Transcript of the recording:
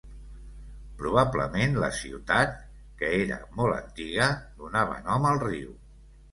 Probablement la ciutat, que era molt antiga, donava nom al riu.